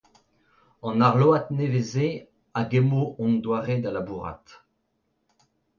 An arload nevez-se a gemmo hon doare da labourat.